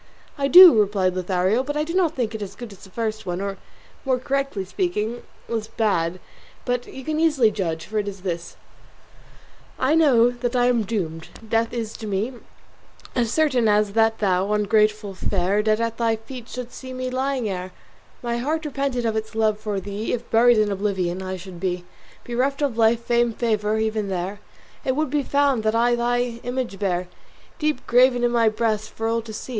"I do," replied Lothario, "but I do not think it as good as the first one, or, more correctly speaking, less bad; but you can easily judge, for it is this. SONNET I know that I am doomed; death is to me As certain as that thou, ungrateful fair, Dead at thy feet shouldst see me lying, ere My heart repented of its love for thee. If buried in oblivion I should be, Bereft of life, fame, favour, even there It would be found that I thy image bear Deep graven in my breast for all to see.